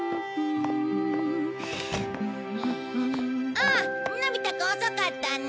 あっのび太くん遅かったね。